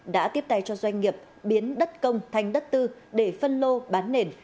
đã tiếp tay cho doanh nghiệp biến đất công thành đất tư để phân lô bán nền